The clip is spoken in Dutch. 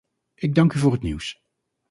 Ik dank u voor het nieuws.